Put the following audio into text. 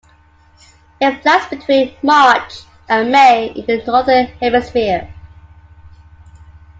It flowers between March and May in the Northern Hemisphere.